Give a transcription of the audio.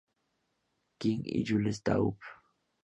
King y Jules Taub.